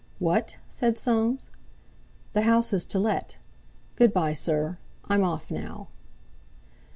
"What?" said Soames. "The house is to let! Good bye, sir; I'm off now."